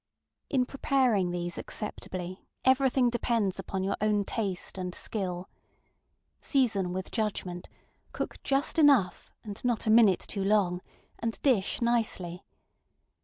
In preparing these acceptably, everything depends upon your own taste and skill. Season with judgment, cook just enough and not a minute too long, and dish nicely.